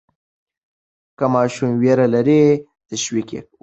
که ماشوم ویره لري، تشویق یې وکړئ.